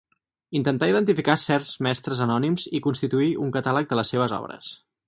Intentà identificar certs mestres anònims i constituir un catàleg de les seves obres.